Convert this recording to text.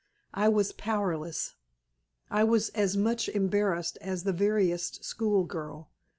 I was powerless. I was as much embarrassed as the veriest schoolgirl.